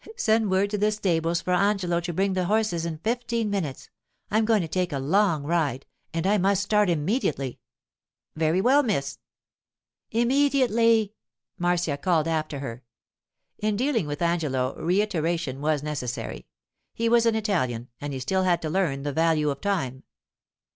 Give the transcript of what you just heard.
'Send word to the stables for Angelo to bring the horses in fifteen minutes. I'm going to take a long ride, and I must start immediately.' 'Very well, miss.' 'Immediately,' Marcia called after her. In dealing with Angelo reiteration was necessary. He was an Italian, and he had still to learn the value of time.